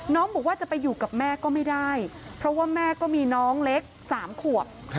บอกว่าจะไปอยู่กับแม่ก็ไม่ได้เพราะว่าแม่ก็มีน้องเล็ก๓ขวบ